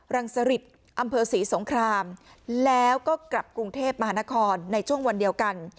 รังสริตอำเภอศรีสงครามแล้วก็กลับกรุงเทพมหานครในช่วงวันเดียวกัน